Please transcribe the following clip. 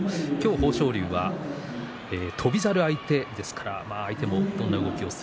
豊昇龍は翔猿が相手です。